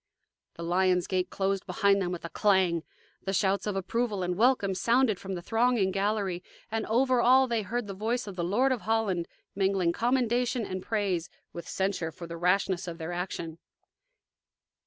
The lions' gate closed behind them with a clang; the shouts of approval and of welcome sounded from the thronging gallery, and over all they heard the voice of the Lord of Holland mingling commendation and praise with censure for the rashness of their action.